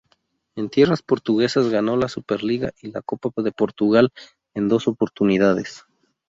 En tierras portuguesas ganó la SuperLiga y la Copa de Portugal, en dos oportunidades.